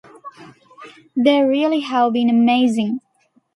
They really have been amazing.